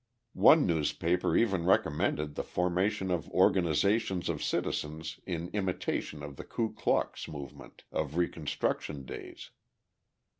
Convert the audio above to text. One newspaper even recommended the formation of organisations of citizens in imitation of the Ku Klux movement of reconstruction days.